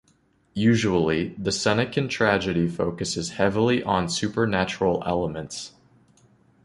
Usually, the Senecan tragedy focuses heavily on supernatural elements.